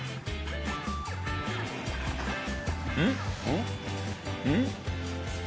うん？